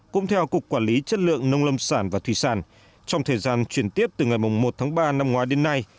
cũng theo cục quản lý chất lượng nông lâm sản và thủy sản trong thời gian chuyển tiếp từ ngày một tháng ba năm ngoái đến nay